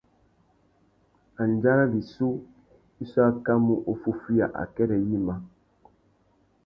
Andjara rissú i su akamú uffúffüiya akêrê yïmá.